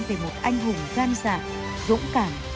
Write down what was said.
về một anh hùng gian giả dũng cảm